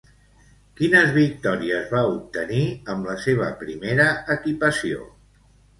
Quines victòries va obtenir amb la seva primera equipació?